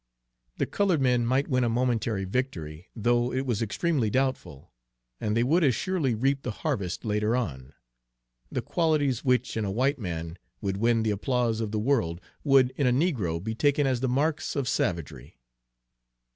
The colored men might win a momentary victory, though it was extremely doubtful; and they would as surely reap the harvest later on. The qualities which in a white man would win the applause of the world would in a negro be taken as the marks of savagery.